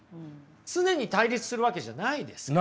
常に対立するわけじゃないですから。